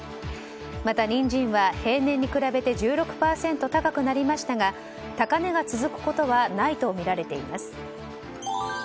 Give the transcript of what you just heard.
またニンジンは平年に比べて１６％高くなりましたが高値が続くことはないとみられています。